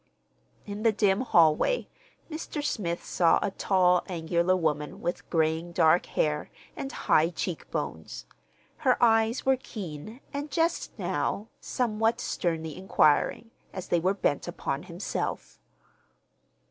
In the dim hallway Mr. Smith saw a tall, angular woman with graying dark hair and high cheek bones. Her eyes were keen and just now somewhat sternly inquiring, as they were bent upon himself.